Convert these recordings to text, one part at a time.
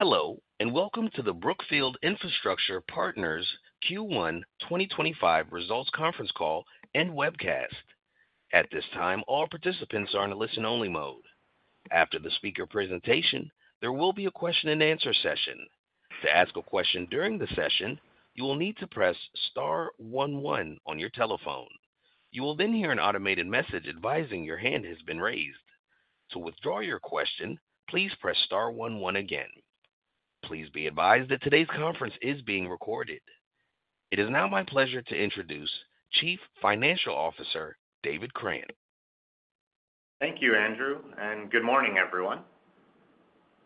Hello, and welcome to the Brookfield Infrastructure Partners Q1 2025 results conference call and webcast. At this time, all participants are in a listen-only mode. After the speaker presentation, there will be a question-and-answer session. To ask a question during the session, you will need to press Star 11 on your telephone. You will then hear an automated message advising your hand has been raised. To withdraw your question, please press Star 11 again. Please be advised that today's conference is being recorded. It is now my pleasure to introduce Chief Financial Officer David Krant. Thank you, Andrew, and good morning, everyone.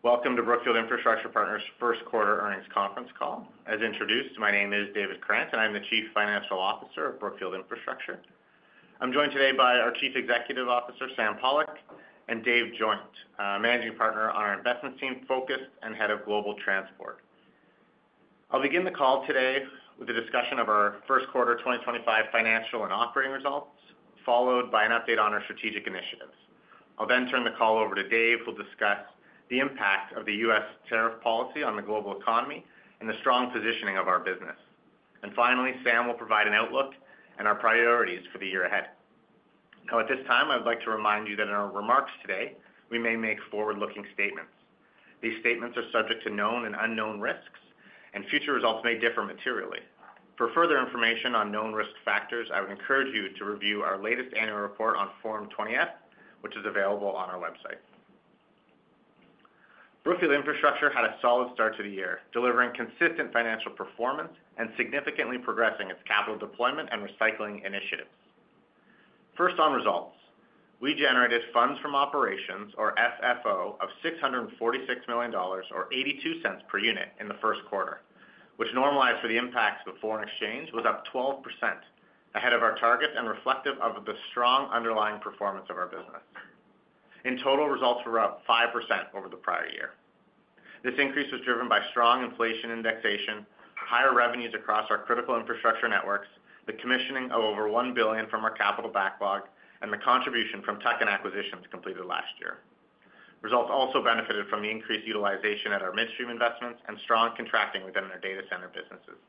Welcome to Brookfield Infrastructure Partners' first quarter earnings conference call. As introduced, my name is David Krant, and I'm the Chief Financial Officer of Brookfield Infrastructure. I'm joined today by our Chief Executive Officer, Sam Pollock, and Dave Joynt, Managing Partner on our Investments Team Focus and Head of Global Transport. I'll begin the call today with a discussion of our first quarter 2025 financial and operating results, followed by an update on our strategic initiatives. I'll then turn the call over to Dave, who will discuss the impact of the U.S. tariff policy on the global economy and the strong positioning of our business. Finally, Sam will provide an outlook and our priorities for the year ahead. Now, at this time, I would like to remind you that in our remarks today, we may make forward-looking statements. These statements are subject to known and unknown risks, and future results may differ materially. For further information on known risk factors, I would encourage you to review our latest annual report on Form 20-F, which is available on our website. Brookfield Infrastructure had a solid start to the year, delivering consistent financial performance and significantly progressing its capital deployment and recycling initiatives. First, on results, we generated funds from operations, or FFO, of $646 million or $0.82 per unit in the first quarter, which normalized for the impact of the foreign exchange, was up 12% ahead of our targets and reflective of the strong underlying performance of our business. In total, results were up 5% over the prior year. This increase was driven by strong inflation indexation, higher revenues across our critical infrastructure networks, the commissioning of over $1 billion from our capital backlog, and the contribution from tuck-in acquisitions completed last year. Results also benefited from the increased utilization at our midstream investments and strong contracting within our data center businesses.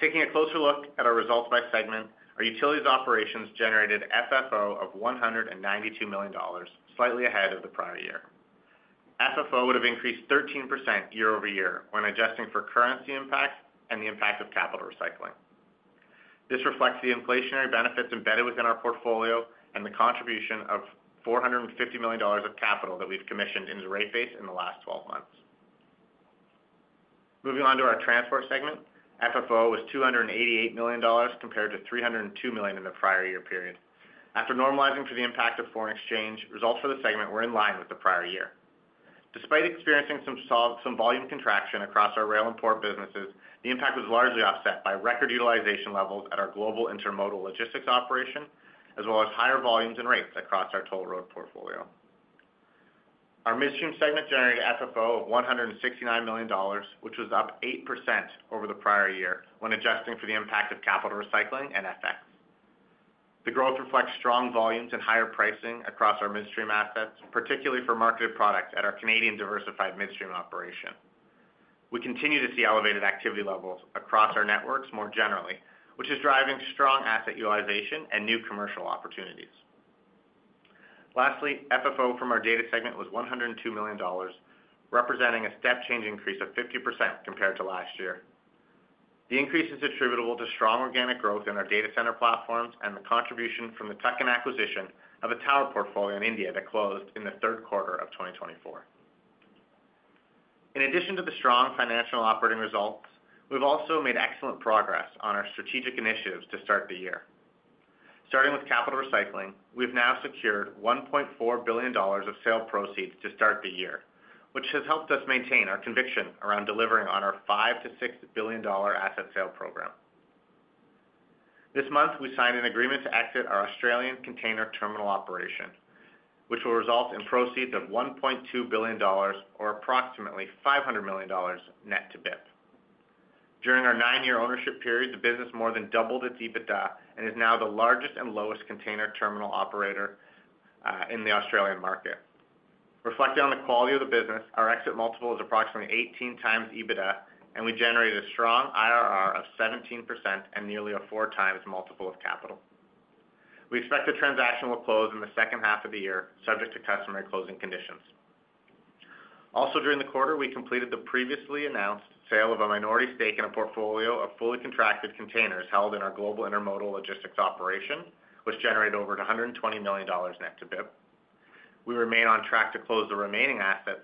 Taking a closer look at our results by segment, our utilities operations generated FFO of $192 million, slightly ahead of the prior year. FFO would have increased 13% year over year when adjusting for currency impacts and the impact of capital recycling. This reflects the inflationary benefits embedded within our portfolio and the contribution of $450 million of capital that we've commissioned into the rate base in the last 12 months. Moving on to our transport segment, FFO was $288 million compared to $302 million in the prior year period. After normalizing for the impact of foreign exchange, results for the segment were in line with the prior year. Despite experiencing some volume contraction across our rail and port businesses, the impact was largely offset by record utilization levels at our global intermodal logistics operation, as well as higher volumes and rates across our total road portfolio. Our midstream segment generated FFO of $169 million, which was up 8% over the prior year when adjusting for the impact of capital recycling and FX. The growth reflects strong volumes and higher pricing across our midstream assets, particularly for marketed products at our Canadian diversified midstream operation. We continue to see elevated activity levels across our networks more generally, which is driving strong asset utilization and new commercial opportunities. Lastly, FFO from our data segment was $102 million, representing a step-change increase of 50% compared to last year. The increase is attributable to strong organic growth in our data center platforms and the contribution from the Data Infrastructure acquisition of a tower portfolio in India that closed in the third quarter of 2024. In addition to the strong financial operating results, we've also made excellent progress on our strategic initiatives to start the year. Starting with capital recycling, we've now secured $1.4 billion of sale proceeds to start the year, which has helped us maintain our conviction around delivering on our $5 billion-$6 billion asset sale program. This month, we signed an agreement to exit our Australian container terminal operation, which will result in proceeds of $1.2 billion, or approximately $500 million net to BIP. During our nine-year ownership period, the business more than doubled its EBITDA and is now the largest and lowest cost container terminal operator in the Australian market. Reflecting on the quality of the business, our exit multiple is approximately 18 times EBITDA, and we generated a strong IRR of 17% and nearly a four-times multiple of capital. We expect the transaction will close in the second half of the year, subject to customer closing conditions. Also, during the quarter, we completed the previously announced sale of a minority stake in a portfolio of fully contracted containers held in our global intermodal logistics operation, which generated over $120 million net to BIP. We remain on track to close the remaining asset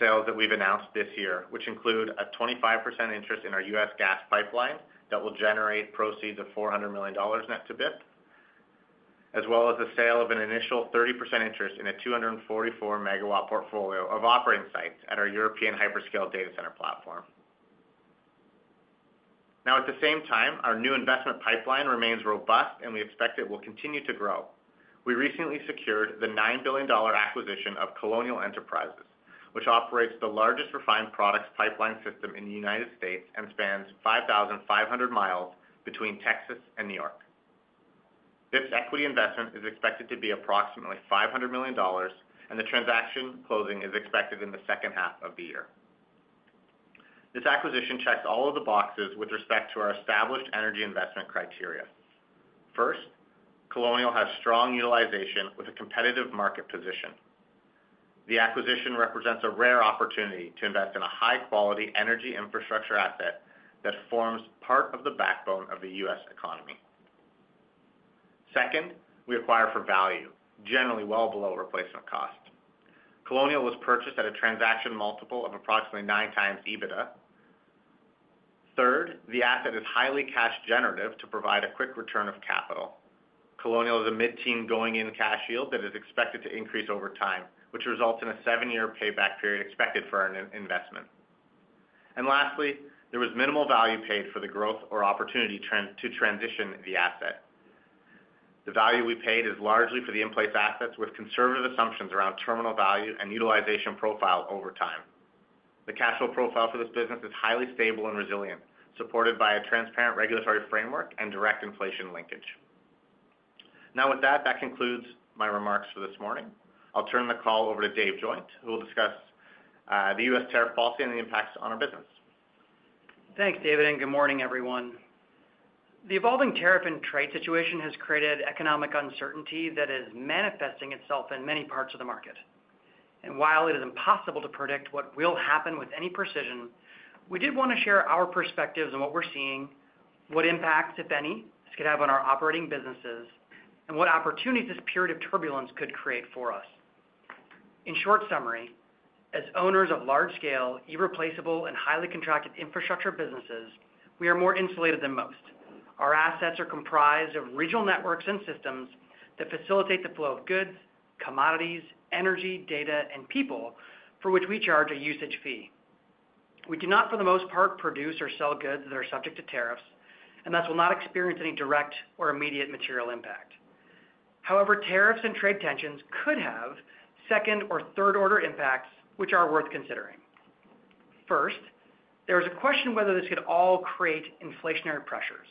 sales that we've announced this year, which include a 25% interest in our U.S. gas pipeline that will generate proceeds of $400 million net to BIP, as well as the sale of an initial 30% interest in a 244-megawatt portfolio of operating sites at our European hyperscale data center platform. Now, at the same time, our new investment pipeline remains robust, and we expect it will continue to grow. We recently secured the $9 billion acquisition of Colonial Enterprises, which operates the largest refined products pipeline system in the United States and spans 5,500 mi between Texas and New York. This equity investment is expected to be approximately $500 million, and the transaction closing is expected in the second half of the year. This acquisition checks all of the boxes with respect to our established energy investment criteria. First, Colonial has strong utilization with a competitive market position. The acquisition represents a rare opportunity to invest in a high-quality energy infrastructure asset that forms part of the backbone of the U.S. economy. Second, we acquire for value, generally well below replacement cost. Colonial was purchased at a transaction multiple of approximately nine times EBITDA. Third, the asset is highly cash-generative to provide a quick return of capital. Colonial is a mid-teen going-in cash yield that is expected to increase over time, which results in a seven-year payback period expected for an investment. Lastly, there was minimal value paid for the growth or opportunity to transition the asset. The value we paid is largely for the in-place assets, with conservative assumptions around terminal value and utilization profile over time. The cash flow profile for this business is highly stable and resilient, supported by a transparent regulatory framework and direct inflation linkage. Now, with that, that concludes my remarks for this morning. I'll turn the call over to Dave Joynt, who will discuss the U.S. tariff policy and the impacts on our business. Thanks, David, and good morning, everyone. The evolving tariff and trade situation has created economic uncertainty that is manifesting itself in many parts of the market. While it is impossible to predict what will happen with any precision, we did want to share our perspectives on what we're seeing, what impacts, if any, this could have on our operating businesses, and what opportunities this period of turbulence could create for us. In short summary, as owners of large-scale, irreplaceable, and highly contracted infrastructure businesses, we are more insulated than most. Our assets are comprised of regional networks and systems that facilitate the flow of goods, commodities, energy, data, and people for which we charge a usage fee. We do not, for the most part, produce or sell goods that are subject to tariffs, and thus will not experience any direct or immediate material impact. However, tariffs and trade tensions could have second or third-order impacts, which are worth considering. First, there is a question whether this could all create inflationary pressures.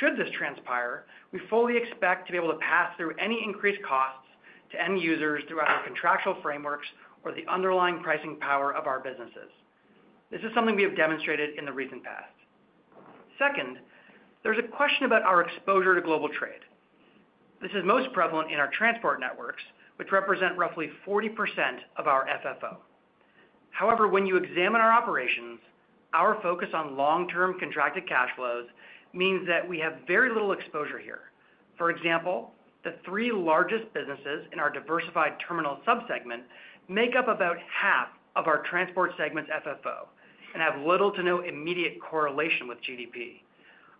Should this transpire, we fully expect to be able to pass through any increased costs to end users throughout our contractual frameworks or the underlying pricing power of our businesses. This is something we have demonstrated in the recent past. Second, there's a question about our exposure to global trade. This is most prevalent in our transport networks, which represent roughly 40% of our FFO. However, when you examine our operations, our focus on long-term contracted cash flows means that we have very little exposure here. For example, the three largest businesses in our diversified terminal subsegment make up about half of our transport segment's FFO and have little to no immediate correlation with GDP.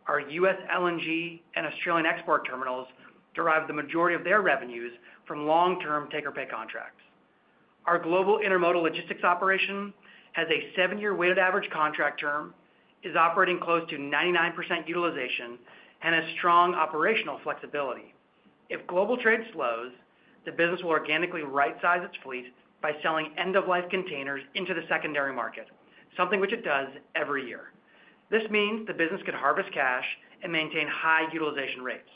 Our U.S. LNG and Australian export terminals derive the majority of their revenues from long-term take-or-pay contracts. Our global intermodal logistics operation has a seven-year weighted average contract term, is operating close to 99% utilization, and has strong operational flexibility. If global trade slows, the business will organically right-size its fleet by selling end-of-life containers into the secondary market, something which it does every year. This means the business could harvest cash and maintain high utilization rates.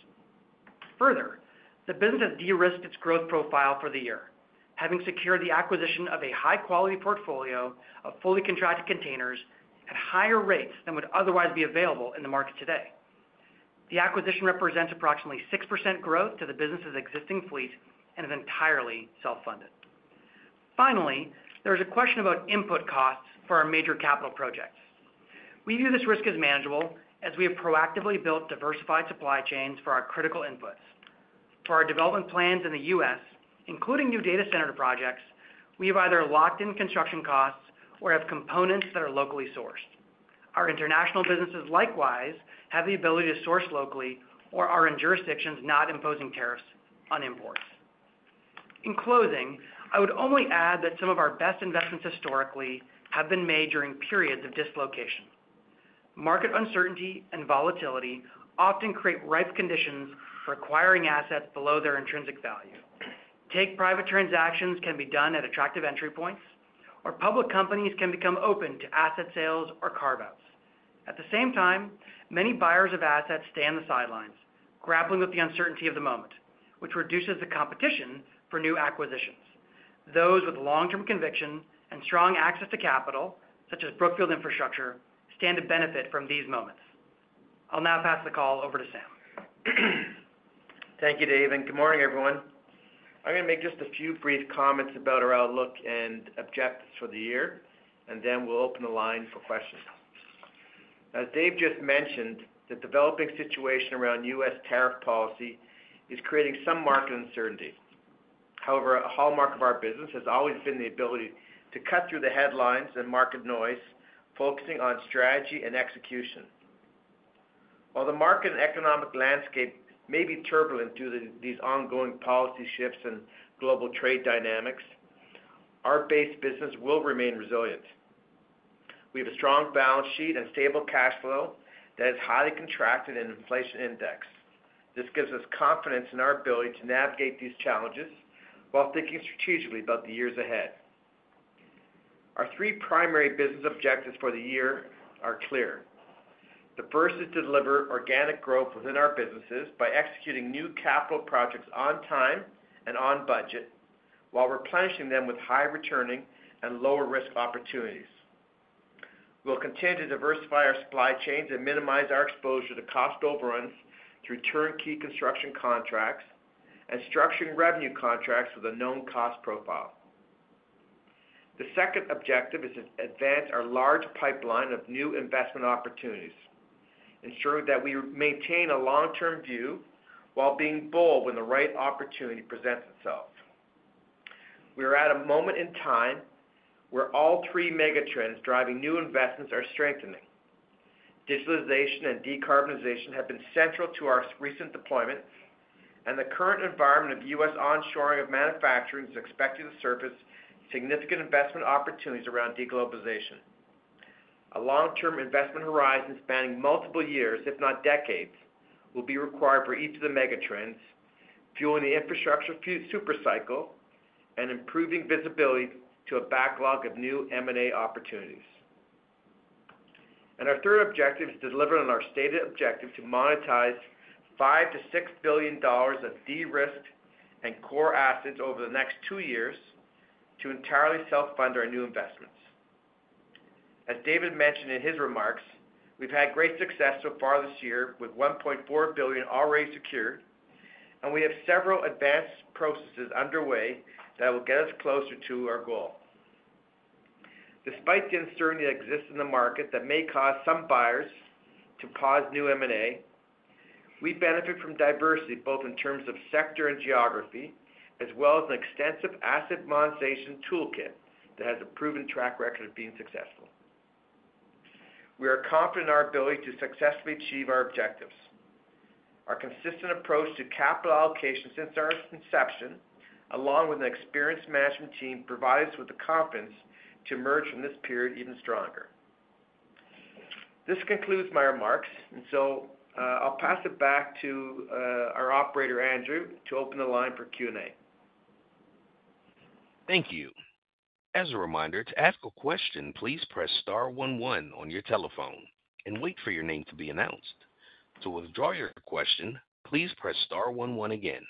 Further, the business has de-risked its growth profile for the year, having secured the acquisition of a high-quality portfolio of fully contracted containers at higher rates than would otherwise be available in the market today. The acquisition represents approximately 6% growth to the business's existing fleet and is entirely self-funded. Finally, there is a question about input costs for our major capital projects. We view this risk as manageable, as we have proactively built diversified supply chains for our critical inputs. For our development plans in the U.S., including new data center projects, we have either locked-in construction costs or have components that are locally sourced. Our international businesses likewise have the ability to source locally or are in jurisdictions not imposing tariffs on imports. In closing, I would only add that some of our best investments historically have been made during periods of dislocation. Market uncertainty and volatility often create ripe conditions for acquiring assets below their intrinsic value, take-private transactions can be done at attractive entry points, or public companies can become open to asset sales or carve-outs. At the same time, many buyers of assets stay on the sidelines, grappling with the uncertainty of the moment, which reduces the competition for new acquisitions. Those with long-term conviction and strong access to capital, such as Brookfield Infrastructure, stand to benefit from these moments. I'll now pass the call over to Sam. Thank you, Dave, and good morning, everyone. I'm going to make just a few brief comments about our outlook and objectives for the year, and then we'll open the line for questions. As Dave just mentioned, the developing situation around U.S. tariff policy is creating some market uncertainty. However, a hallmark of our business has always been the ability to cut through the headlines and market noise, focusing on strategy and execution. While the market and economic landscape may be turbulent due to these ongoing policy shifts and global trade dynamics, our base business will remain resilient. We have a strong balance sheet and stable cash flow that is highly contracted and inflation indexed. This gives us confidence in our ability to navigate these challenges while thinking strategically about the years ahead. Our three primary business objectives for the year are clear. The first is to deliver organic growth within our businesses by executing new capital projects on time and on budget while replenishing them with high-returning and lower-risk opportunities. We'll continue to diversify our supply chains and minimize our exposure to cost overruns through turnkey construction contracts and structuring revenue contracts with a known cost profile. The second objective is to advance our large pipeline of new investment opportunities, ensuring that we maintain a long-term view while being bold when the right opportunity presents itself. We are at a moment in time where all three megatrends driving new investments are strengthening. Digitalization and decarbonization have been central to our recent deployment, and the current environment of U.S. onshoring of manufacturing is expected to surface significant investment opportunities around deglobalization. A long-term investment horizon spanning multiple years, if not decades, will be required for each of the megatrends, fueling the infrastructure supercycle and improving visibility to a backlog of new M&A opportunities. Our third objective is to deliver on our stated objective to monetize $5 billion-$6 billion of de-risked and core assets over the next two years to entirely self-fund our new investments. As David mentioned in his remarks, we've had great success so far this year with $1.4 billion already secured, and we have several advanced processes underway that will get us closer to our goal. Despite the uncertainty that exists in the market that may cause some buyers to pause new M&A, we benefit from diversity both in terms of sector and geography, as well as an extensive asset monetization toolkit that has a proven track record of being successful. We are confident in our ability to successfully achieve our objectives. Our consistent approach to capital allocation since our inception, along with an experienced management team, provides us with the confidence to emerge from this period even stronger. This concludes my remarks, and I will pass it back to our operator, Andrew, to open the line for Q&A. Thank you. As a reminder, to ask a question, please press star 11 on your telephone and wait for your name to be announced. To withdraw your question, please press star 11 again.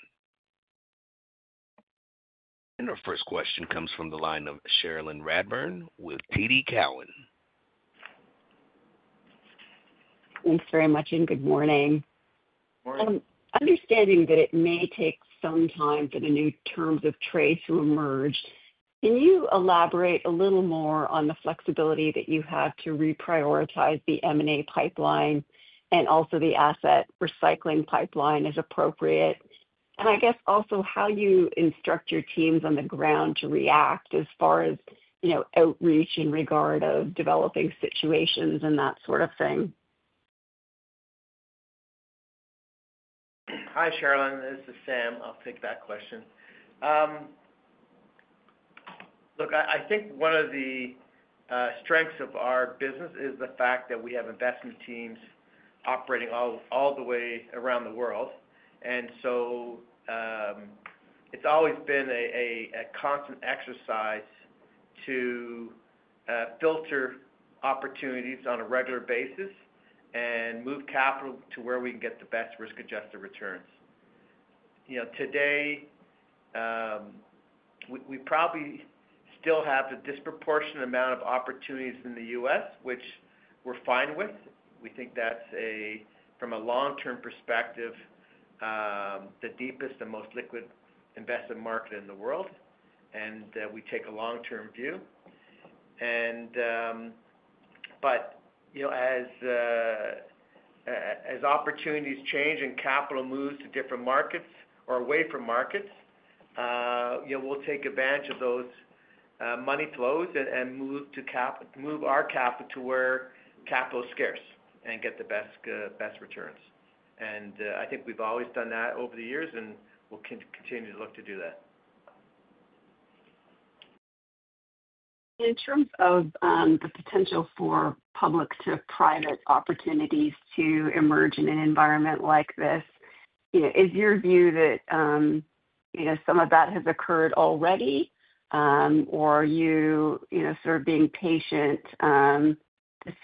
Our first question comes from the line of Cherilyn Radbourne with TD Cowen. Thanks very much and good morning. Morning. Understanding that it may take some time for the new terms of trade to emerge, can you elaborate a little more on the flexibility that you have to reprioritize the M&A pipeline and also the asset recycling pipeline as appropriate? I guess also how you instruct your teams on the ground to react as far as outreach in regard of developing situations and that sort of thing. Hi, Cherilyn. This is Sam. I'll take that question. Look, I think one of the strengths of our business is the fact that we have investment teams operating all the way around the world. It has always been a constant exercise to filter opportunities on a regular basis and move capital to where we can get the best risk-adjusted returns. Today, we probably still have a disproportionate amount of opportunities in the U.S., which we're fine with. We think that's, from a long-term perspective, the deepest and most liquid investment market in the world, and we take a long-term view. As opportunities change and capital moves to different markets or away from markets, we'll take advantage of those money flows and move our capital to where capital is scarce and get the best returns. I think we've always done that over the years and will continue to look to do that. In terms of the potential for public to private opportunities to emerge in an environment like this, is your view that some of that has occurred already, or are you sort of being patient to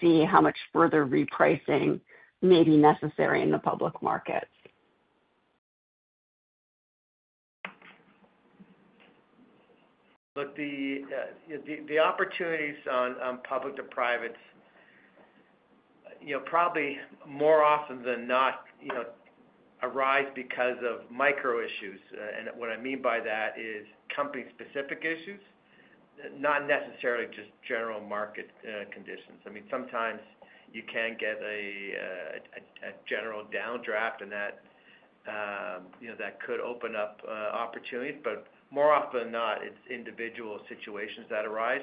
see how much further repricing may be necessary in the public markets? Look, the opportunities on public to private, probably more often than not, arise because of micro issues. What I mean by that is company-specific issues, not necessarily just general market conditions. I mean, sometimes you can get a general downdraft, and that could open up opportunities. More often than not, it's individual situations that arise.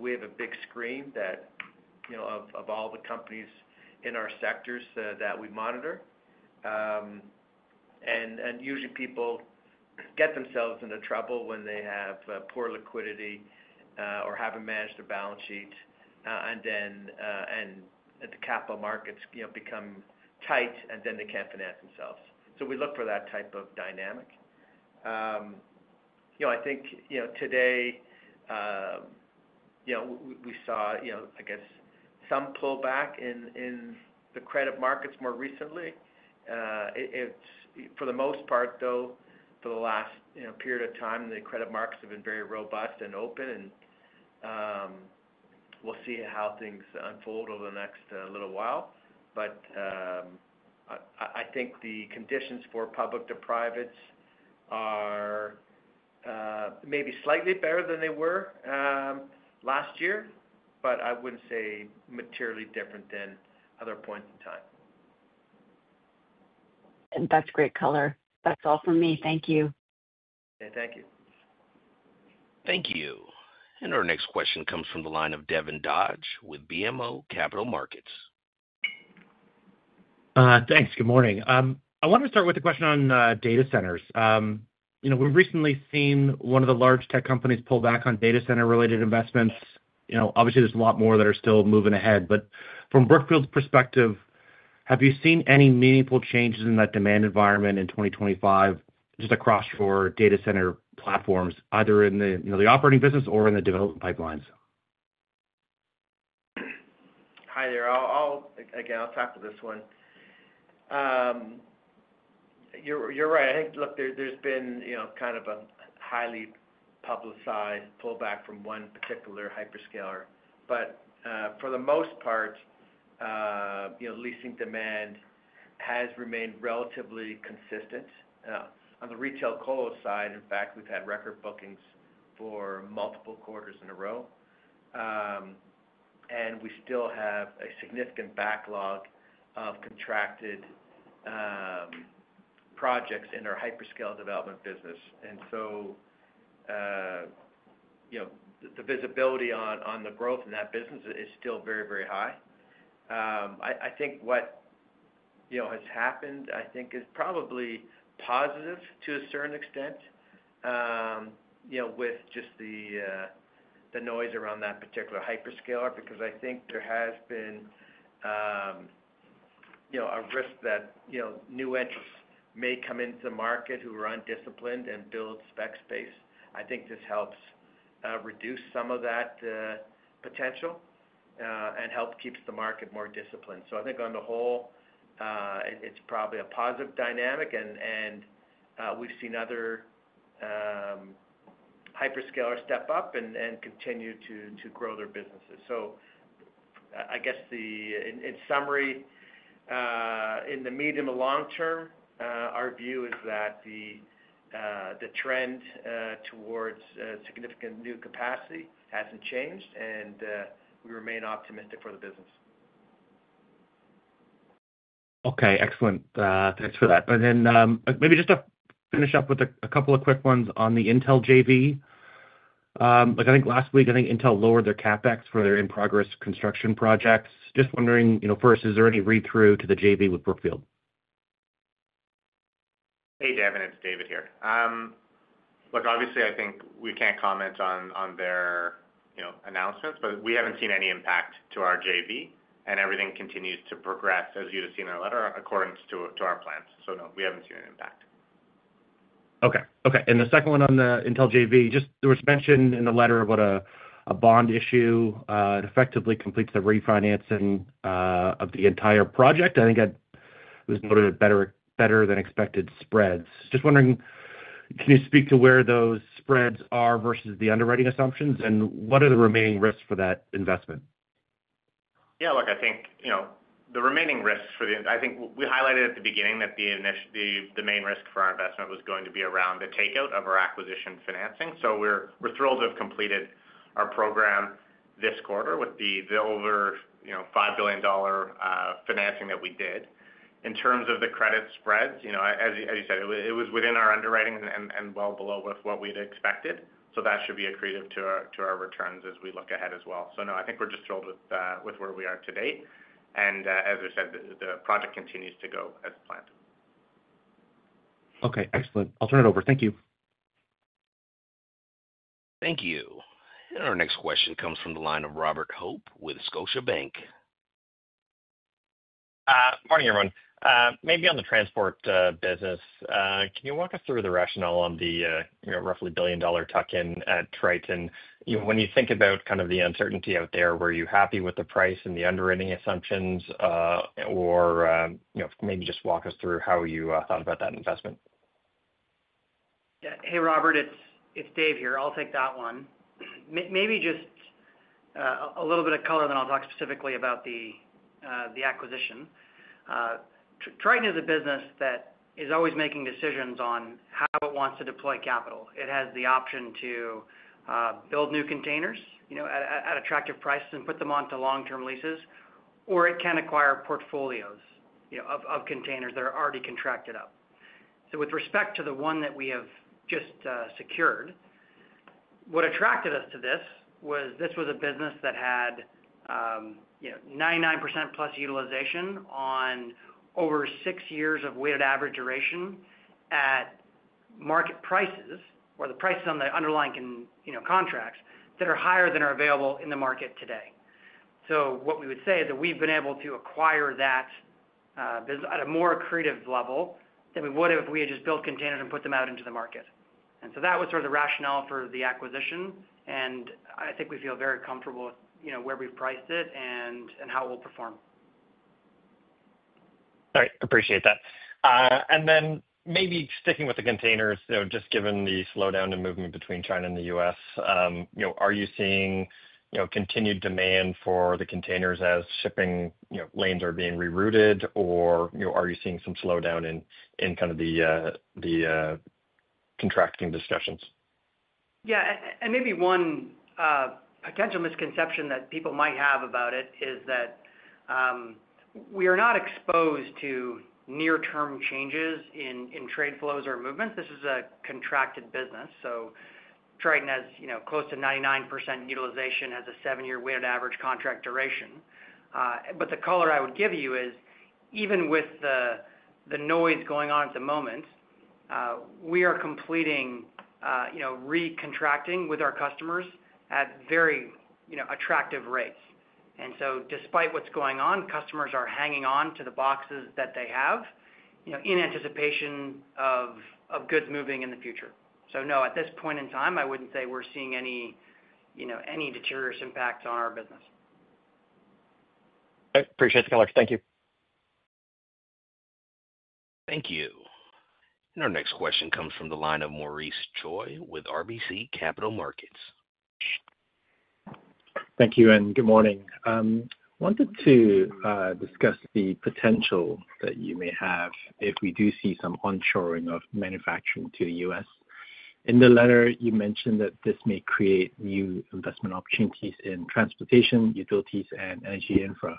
We have a big screen of all the companies in our sectors that we monitor. Usually, people get themselves into trouble when they have poor liquidity or have not managed their balance sheet, and the capital markets become tight, and then they cannot finance themselves. We look for that type of dynamic. I think today we saw, I guess, some pullback in the credit markets more recently. For the most part, though, for the last period of time, the credit markets have been very robust and open. We will see how things unfold over the next little while. I think the conditions for public to privates are maybe slightly better than they were last year, but I would not say materially different than other points in time. That's great color. That's all for me. Thank you. Thank you. Thank you. Our next question comes from the line of Devin Dodge with BMO Capital Markets. Thanks. Good morning. I want to start with a question on data centers. We've recently seen one of the large tech companies pull back on data center-related investments. Obviously, there's a lot more that are still moving ahead. From Brookfield's perspective, have you seen any meaningful changes in that demand environment in 2025 just across your data center platforms, either in the operating business or in the development pipelines? Hi there. Again, I'll tackle this one. You're right. I think, look, there's been kind of a highly publicized pullback from one particular hyperscaler. For the most part, leasing demand has remained relatively consistent. On the retail colo side, in fact, we've had record bookings for multiple quarters in a row. We still have a significant backlog of contracted projects in our hyperscale development business. The visibility on the growth in that business is still very, very high. I think what has happened, I think, is probably positive to a certain extent with just the noise around that particular hyperscaler because I think there has been a risk that new entrants may come into the market who are undisciplined and build spec space. I think this helps reduce some of that potential and helps keep the market more disciplined. I think on the whole, it's probably a positive dynamic, and we've seen other hyperscalers step up and continue to grow their businesses. I guess, in summary, in the medium to long term, our view is that the trend towards significant new capacity hasn't changed, and we remain optimistic for the business. Okay. Excellent. Thanks for that. Maybe just to finish up with a couple of quick ones on the Intel JV. I think last week, I think Intel lowered their CapEx for their in-progress construction projects. Just wondering, first, is there any read-through to the JV with Brookfield? Hey, Devin. It's David here. Look, obviously, I think we can't comment on their announcements, but we haven't seen any impact to our JV. Everything continues to progress, as you have seen in the letter, according to our plans. No, we haven't seen any impact. Okay. Okay. The second one on the Intel JV, just there was mention in the letter about a bond issue. It effectively completes the refinancing of the entire project. I think it was noted at better-than-expected spreads. Just wondering, can you speak to where those spreads are versus the underwriting assumptions, and what are the remaining risks for that investment? Yeah. Look, I think the remaining risks for the—I think we highlighted at the beginning that the main risk for our investment was going to be around the takeout of our acquisition financing. We are thrilled to have completed our program this quarter with the over $5 billion financing that we did. In terms of the credit spreads, as you said, it was within our underwriting and well below what we had expected. That should be accretive to our returns as we look ahead as well. No, I think we are just thrilled with where we are today. As I said, the project continues to go as planned. Okay. Excellent. I'll turn it over. Thank you. Thank you. Our next question comes from the line of Robert Hope with Scotiabank. Morning, everyone. Maybe on the transport business, can you walk us through the rationale on the roughly $1 billion tuck-in at Triton? When you think about kind of the uncertainty out there, were you happy with the price and the underwriting assumptions, or maybe just walk us through how you thought about that investment? Yeah. Hey, Robert. It's Dave here. I'll take that one. Maybe just a little bit of color, then I'll talk specifically about the acquisition. Triton is a business that is always making decisions on how it wants to deploy capital. It has the option to build new containers at attractive prices and put them onto long-term leases, or it can acquire portfolios of containers that are already contracted up. With respect to the one that we have just secured, what attracted us to this was this was a business that had 99% plus utilization on over six years of weighted average duration at market prices or the prices on the underlying contracts that are higher than are available in the market today. What we would say is that we've been able to acquire that at a more accretive level than we would have if we had just built containers and put them out into the market. That was sort of the rationale for the acquisition. I think we feel very comfortable with where we've priced it and how it will perform. All right. Appreciate that. Maybe sticking with the containers, just given the slowdown in movement between China and the U.S., are you seeing continued demand for the containers as shipping lanes are being rerouted, or are you seeing some slowdown in kind of the contracting discussions? Yeah. Maybe one potential misconception that people might have about it is that we are not exposed to near-term changes in trade flows or movements. This is a contracted business. Triton has close to 99% utilization as a seven-year weighted average contract duration. The color I would give you is, even with the noise going on at the moment, we are completing recontracting with our customers at very attractive rates. Despite what is going on, customers are hanging on to the boxes that they have in anticipation of goods moving in the future. No, at this point in time, I would not say we are seeing any deterrence impacts on our business. Okay. Appreciate the color. Thank you. Thank you. Our next question comes from the line of Maurice Choy with RBC Capital Markets. Thank you. Good morning. I wanted to discuss the potential that you may have if we do see some onshoring of manufacturing to the U.S. In the letter, you mentioned that this may create new investment opportunities in transportation, utilities, and energy infra.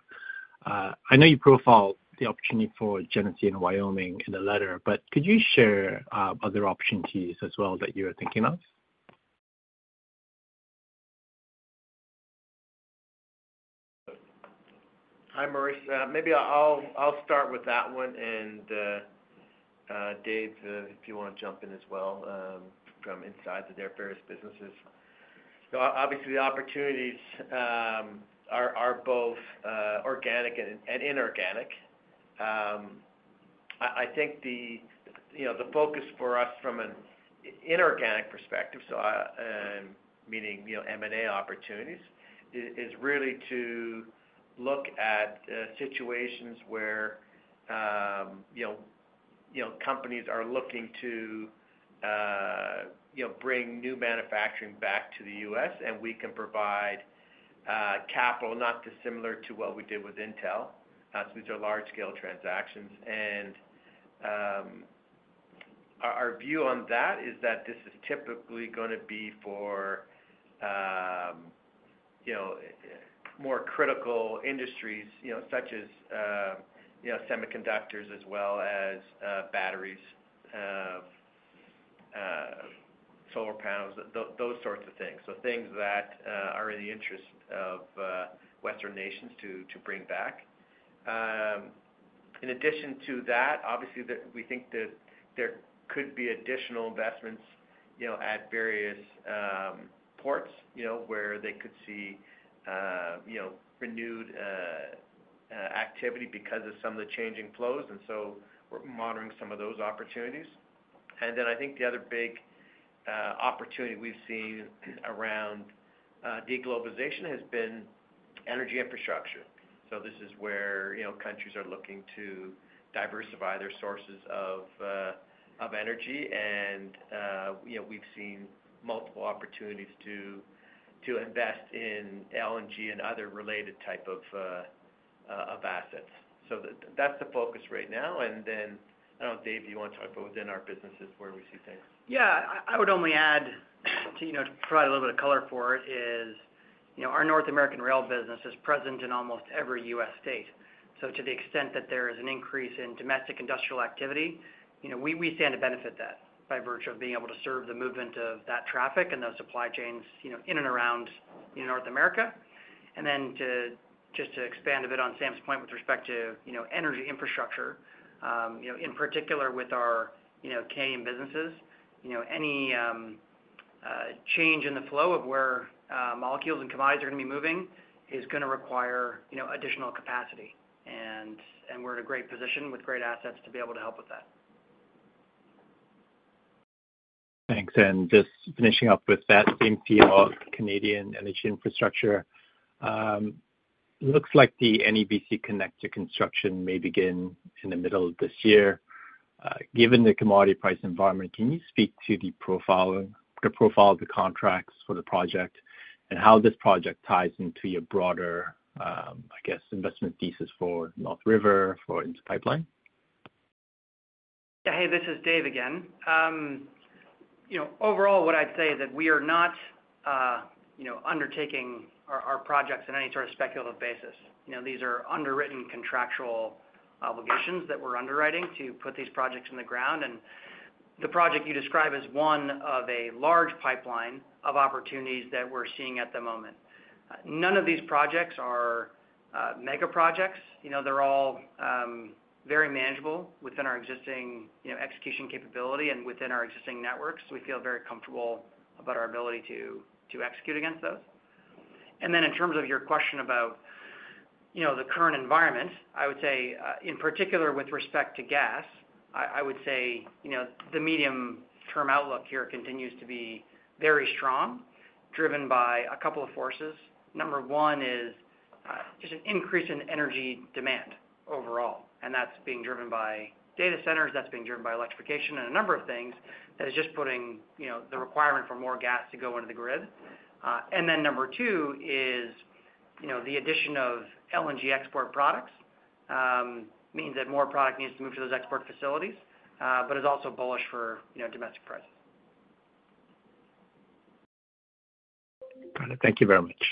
I know you profiled the opportunity for Genesee & Wyoming in the letter, but could you share other opportunities as well that you're thinking of? Hi, Maurice. Maybe I'll start with that one. Dave, if you want to jump in as well from inside the various businesses. Obviously, the opportunities are both organic and inorganic. I think the focus for us from an inorganic perspective, meaning M&A opportunities, is really to look at situations where companies are looking to bring new manufacturing back to the U.S., and we can provide capital not dissimilar to what we did with Intel. These are large-scale transactions. Our view on that is that this is typically going to be for more critical industries such as semiconductors as well as batteries, solar panels, those sorts of things. Things that are in the interest of Western nations to bring back. In addition to that, obviously, we think that there could be additional investments at various ports where they could see renewed activity because of some of the changing flows. We are monitoring some of those opportunities. I think the other big opportunity we have seen around deglobalization has been energy infrastructure. This is where countries are looking to diversify their sources of energy. We have seen multiple opportunities to invest in LNG and other related types of assets. That is the focus right now. I do not know if Dave, you want to talk about within our businesses where we see things. Yeah. I would only add to provide a little bit of color for it is our North American rail business is present in almost every U.S. state. To the extent that there is an increase in domestic industrial activity, we stand to benefit that by virtue of being able to serve the movement of that traffic and those supply chains in and around North America. Just to expand a bit on Sam's point with respect to energy infrastructure, in particular with our Canadian businesses, any change in the flow of where molecules and commodities are going to be moving is going to require additional capacity. We are in a great position with great assets to be able to help with that. Thanks. Just finishing up with that, same feel about Canadian energy infrastructure. It looks like the NEBC Connector construction may begin in the middle of this year. Given the commodity price environment, can you speak to the profile of the contracts for the project and how this project ties into your broader, I guess, investment thesis for NorthRiver for its pipeline? Yeah. Hey, this is Dave again. Overall, what I'd say is that we are not undertaking our projects on any sort of speculative basis. These are underwritten contractual obligations that we're underwriting to put these projects in the ground. The project you describe is one of a large pipeline of opportunities that we're seeing at the moment. None of these projects are mega projects. They're all very manageable within our existing execution capability and within our existing networks. We feel very comfortable about our ability to execute against those. In terms of your question about the current environment, I would say, in particular with respect to gas, I would say the medium-term outlook here continues to be very strong, driven by a couple of forces. Number one is just an increase in energy demand overall. That's being driven by data centers. That's being driven by electrification and a number of things that is just putting the requirement for more gas to go into the grid. Number two is the addition of LNG export products means that more product needs to move to those export facilities, but it's also bullish for domestic prices. Got it. Thank you very much.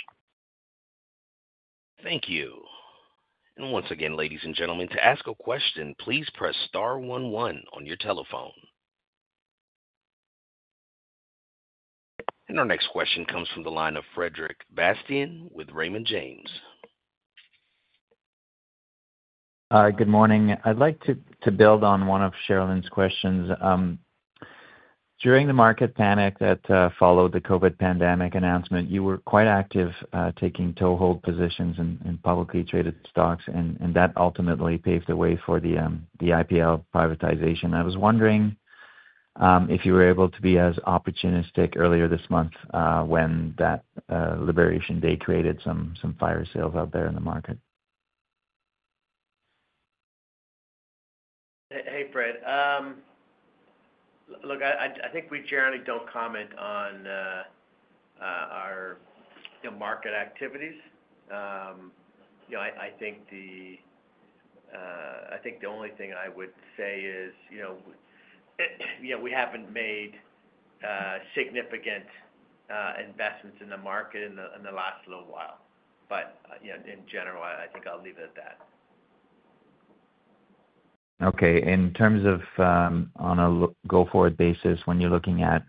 Thank you. Once again, ladies and gentlemen, to ask a question, please press star 11 on your telephone. Our next question comes from the line of Frederic Bastien with Raymond James. Hi, good morning. I'd like to build on one of Cherilyn's questions. During the market panic that followed the COVID pandemic announcement, you were quite active taking toehold positions in publicly traded stocks, and that ultimately paved the way for the IPL privatization. I was wondering if you were able to be as opportunistic earlier this month when that liquidation created some fire sales out there in the market. Hey, Fred. Look, I think we generally do not comment on our market activities. I think the only thing I would say is we have not made significant investments in the market in the last little while. In general, I think I will leave it at that. Okay. In terms of on a go-forward basis, when you're looking at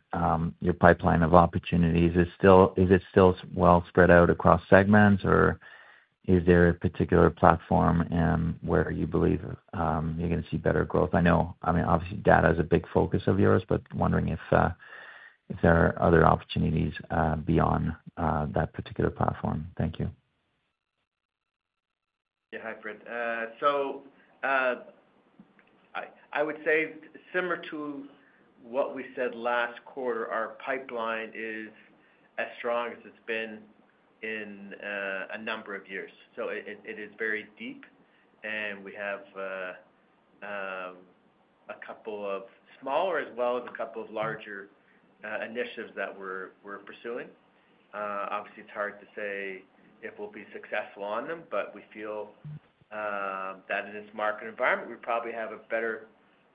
your pipeline of opportunities, is it still well spread out across segments, or is there a particular platform where you believe you're going to see better growth? I know, I mean, obviously, data is a big focus of yours, but wondering if there are other opportunities beyond that particular platform. Thank you. Yeah. Hi, Fred. I would say similar to what we said last quarter, our pipeline is as strong as it's been in a number of years. It is very deep, and we have a couple of smaller as well as a couple of larger initiatives that we're pursuing. Obviously, it's hard to say if we'll be successful on them, but we feel that in this market environment, we probably have a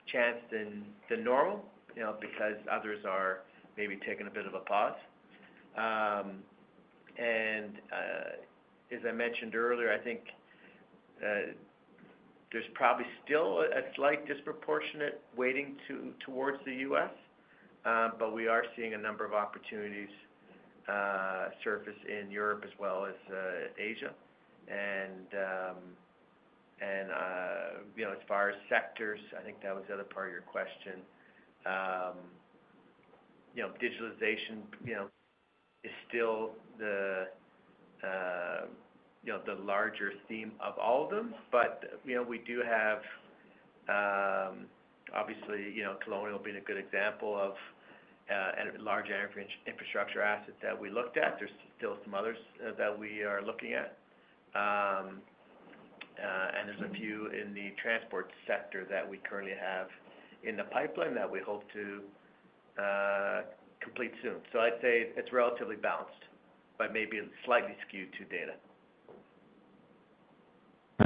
better chance than normal because others are maybe taking a bit of a pause. As I mentioned earlier, I think there's probably still a slight disproportionate weighting towards the U.S., but we are seeing a number of opportunities surface in Europe as well as Asia. As far as sectors, I think that was the other part of your question. Digitalization is still the larger theme of all of them, but we do have, obviously, Colonial being a good example of large infrastructure assets that we looked at. There are still some others that we are looking at. There are a few in the transport sector that we currently have in the pipeline that we hope to complete soon. I would say it is relatively balanced, but maybe slightly skewed to data.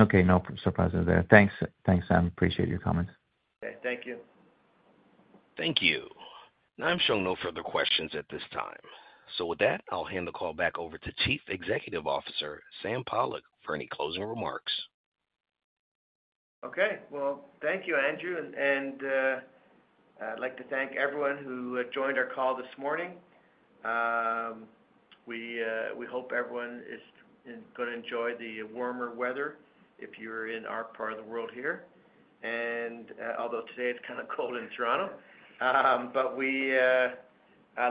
Okay. No surprises there. Thanks, Sam. Appreciate your comments. Okay. Thank you. Thank you. I'm sure no further questions at this time. With that, I'll hand the call back over to Chief Executive Officer Sam Pollock for any closing remarks. Thank you, Andrew. I'd like to thank everyone who joined our call this morning. We hope everyone is going to enjoy the warmer weather if you're in our part of the world here. Although today it's kind of cold in Toronto, we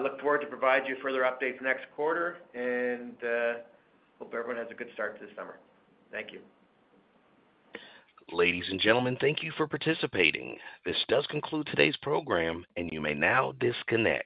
look forward to provide you further updates next quarter and hope everyone has a good start to the summer. Thank you. Ladies and gentlemen, thank you for participating. This does conclude today's program, and you may now disconnect.